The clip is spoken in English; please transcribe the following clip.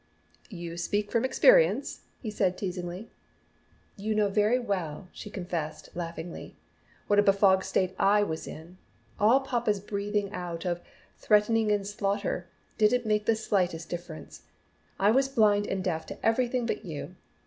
"You speak from experience?" he said teasingly. "You know very well," she confessed laughingly, "what a befogged state I was in. All papa's breathing out of 'threatening and slaughter' didn't make the slightest difference. I was blind and deaf to everything but you.